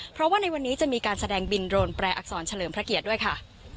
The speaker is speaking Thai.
เพราะว่าในวันนี้จะมีการแสดงบินโรนแปรอักษรเฉลิมพระเกียรติด้วยค่ะ